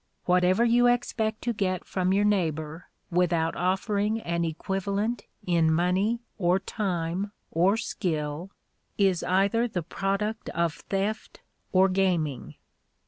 Whatever you expect to get from your neighbor without offering an equivalent in money or time or skill, is either the product of theft or gaming.